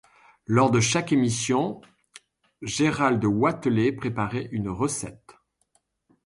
Lors de chaque émission, Gerald Watelet préparait une recette.